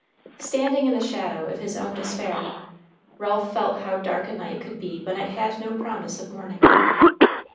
Standing in the shadow of his own despair, Ralph felt how dark a night could be when it had no promise of morning.